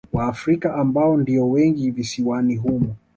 Waafrika ambao ndio wengi visiwani humo